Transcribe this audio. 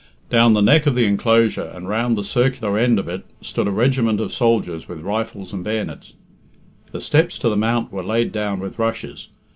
Down the neck of the enclosure, and round the circular end of it, stood a regiment of soldiers with rifles and bayonets. The steps to the mount were laid down with rushes.